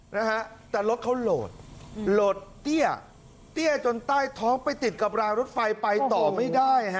นะฮะแต่รถเขาโหลดโหลดเตี้ยเตี้ยจนใต้ท้องไปติดกับรางรถไฟไปต่อไม่ได้ฮะ